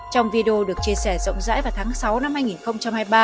trong video được chia sẻ rộng rãi vào tháng sáu năm hai nghìn hai mươi ba